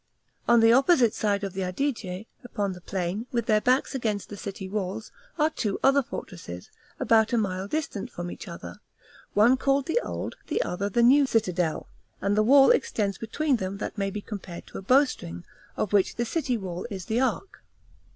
On the opposite side of the Adige, upon the plain, with their backs against the city walls, are two other fortresses, about a mile distant from each other, one called the Old the other the New Citadel, and a wall extends between them that may be compared to a bowstring, of which the city wall is the arc.